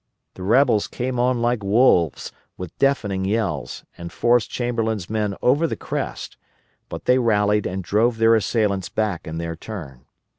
The rebels came on like wolves, with deafening yells, and forced Chamberlain's men over the crest; but they rallied and drove their assailants back in their turn.